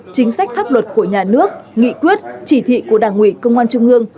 chính sách pháp luật của nhà nước nghị quyết chỉ thị của đảng ủy công an trung ương